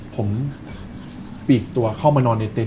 ผมปีกตัวเข้ามานอนในเต็